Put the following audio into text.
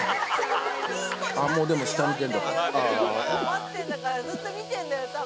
待ってるんだからずっと見てるんだよ卵。